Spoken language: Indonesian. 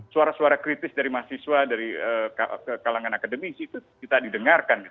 suara suara kritis dari mahasiswa dari kalangan akademisi itu kita didengarkan